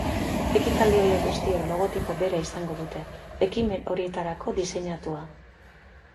Ekitaldi horiek guztiek logotipo bera izango dute, ekimen horietarako diseinatua.